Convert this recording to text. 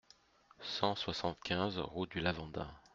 cent soixante-quinze route du Lavandin